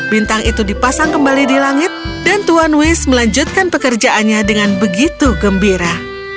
bintang itu dipasang kembali di langit dan tuan wis melanjutkan pekerjaannya dengan begitu gembira